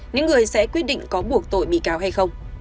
những người sẽ quyết định có buộc tội bị cáo hay không